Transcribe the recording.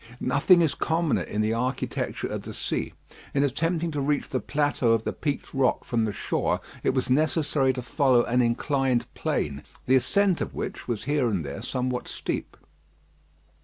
Nothing is commoner in the architecture of the sea. In attempting to reach the plateau of the peaked rock from the shore, it was necessary to follow an inclined plane, the ascent of which was here and there somewhat steep.